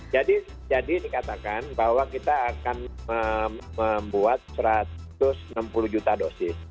jadi dikatakan bahwa kita akan membuat satu ratus enam puluh juta dosis